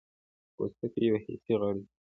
پوستکی یو حسي غړی دی.